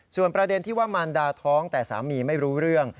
ส่วนประเด็นที่ว่ามารดาท้องแต่สามีไม่รู้เรื่อง